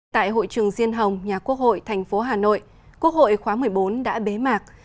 tại hội trường diên hồng nhà quốc hội thành phố hà nội quốc hội khóa một mươi bốn đã bế mạc